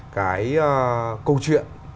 cái câu chuyện